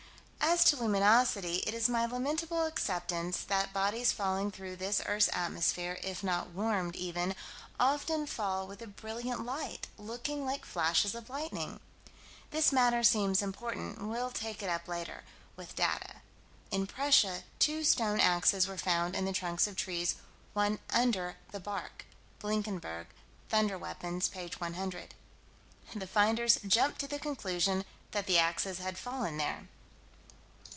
As to luminosity, it is my lamentable acceptance that bodies falling through this earth's atmosphere, if not warmed even, often fall with a brilliant light, looking like flashes of lightning. This matter seems important: we'll take it up later, with data. In Prussia, two stone axes were found in the trunks of trees, one under the bark. (Blinkenberg, Thunder Weapons, p. 100.) The finders jumped to the conclusion that the axes had fallen there.